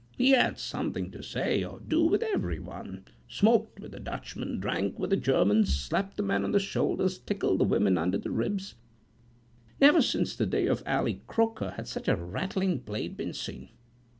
He had something to say or do with every one; smoked with the Dutchmen; drank with the Germans; slapped the men on the shoulders, tickled the women under the ribs: never since the days of Ally Croaker had such a rattling blade been seen.